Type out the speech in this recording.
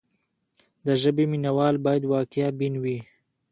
د ژبې مینه وال باید واقع بین وي.